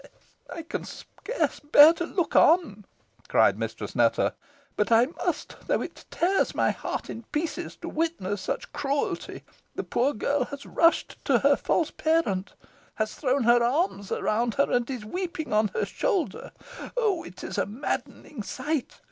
ho!" "I can scarce bear to look on," cried Mistress Nutter; "but I must, though it tears my heart in pieces to witness such cruelty. The poor girl has rushed to her false parent has thrown her arms around her, and is weeping on her shoulder. Oh! it is a maddening sight.